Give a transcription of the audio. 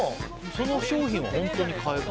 その商品は本当に買えるの？